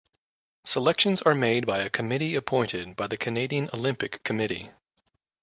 Selections are made by a committee appointed by the Canadian Olympic Committee.